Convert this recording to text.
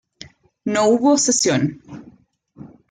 No hubo sucesión.